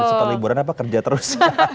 setelah liburan apa kerja terus